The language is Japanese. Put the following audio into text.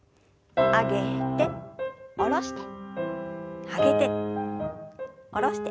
上げて下ろして上げて下ろして。